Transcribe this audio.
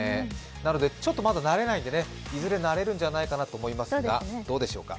なので、ちょっとまだ慣れないのでね、いずれ慣れるんじゃないかと思いますが、どうなんでしょうか。